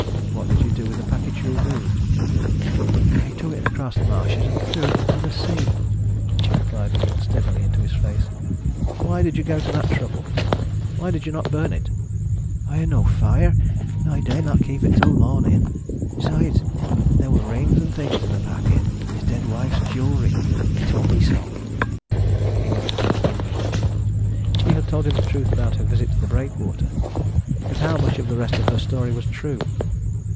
"What did you do with the packet you removed?" "I took it across the marshes and threw it into the sea," she replied, looking steadily into his face. "Why did you go to that trouble? Why did you not burn it?" "I had no fire, and I dared not keep it till the morning. Besides, there were rings and things in the packet his dead wife's jewellery. He told me so." He looked at her keenly. She had told him the truth about her visit to the breakwater, but how much of the rest of her story was true?